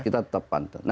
kita tetap pantas